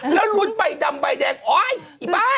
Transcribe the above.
แล้วลุ้นใบดำใบแดงโอ๊ยอีบ้า